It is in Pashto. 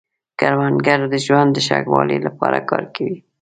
کروندګر د ژوند د ښه والي لپاره کار کوي